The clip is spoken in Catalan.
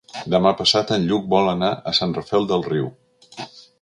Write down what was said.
Demà passat en Lluc vol anar a Sant Rafel del Riu.